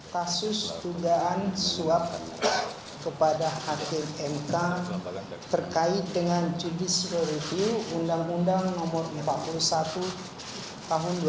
kasus tundaan suap kepada hakim mk terkait dengan judis review undang undang nomor empat puluh satu tahun dua ribu empat belas